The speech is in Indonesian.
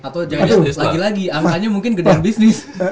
atau lagi lagi angkanya mungkin gedean bisnis